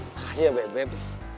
makasih ya beb